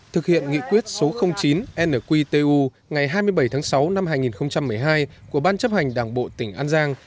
thực hiện nghị quyết số chín nqtu ngày hai mươi bảy tháng sáu năm hai nghìn một mươi hai của ban chấp hành đảng bộ tỉnh an giang